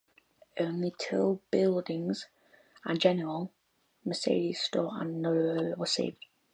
Only two buildings, a general merchandise store and Nalder's furniture store, were saved.